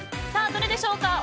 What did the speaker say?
どれでしょうか。